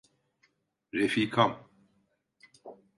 Refikam.